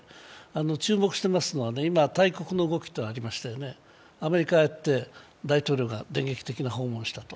注目していますのは今、大国の動きというのがありましたよね、アメリカはああやって大統領が電撃的な訪問をしたと。